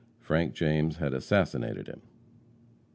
Frank James had assassinated him.